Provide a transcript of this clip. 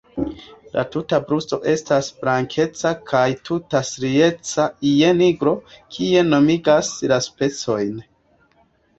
La tuta brusto estas blankeca kaj tute strieca je nigro, kio nomigas la specion.